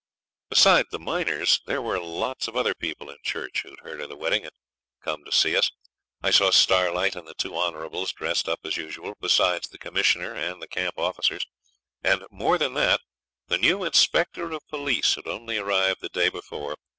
Besides the miners, there were lots of other people in church who had heard of the wedding and come to see us. I saw Starlight and the two Honourables, dressed up as usual, besides the Commissioner and the camp officers; and more than that, the new Inspector of Police, who'd only arrived the day before.